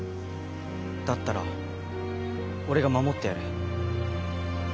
だったら俺が守ってやる。